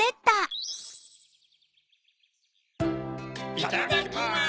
いただきます！